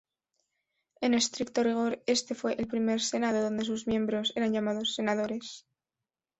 En estricto rigor, este fue el primer senado donde sus miembros eran llamados "Senadores".